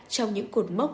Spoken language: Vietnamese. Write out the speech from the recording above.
trong những cuộc mốc